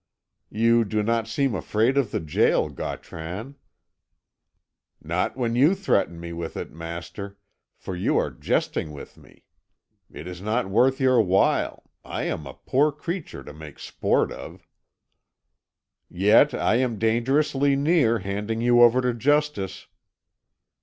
"You do not seem afraid of the gaol, Gautran." "Not when you threaten me with it, master, for you are jesting with me. It is not worth your while; I am a poor creature to make sport of." "Yet I am dangerously near handing you over to justice."